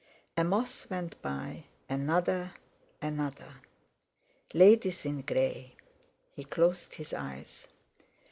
A moth went by, another, another. "Ladies in grey!" He closed his eyes.